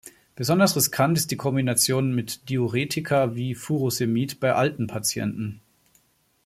Besonders riskant ist die Kombination mit Diuretika wie Furosemid bei alten Patienten.